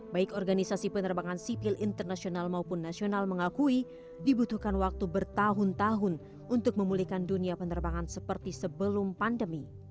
baik organisasi penerbangan sipil internasional maupun nasional mengakui dibutuhkan waktu bertahun tahun untuk memulihkan dunia penerbangan seperti sebelum pandemi